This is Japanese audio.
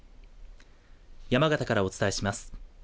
山形からお伝えします。